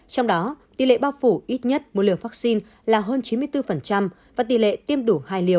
trong đó tỷ lệ bao phủ ít nhất một liều vaccine là hơn chín mươi bốn và tỷ lệ tiêm đủ hai liều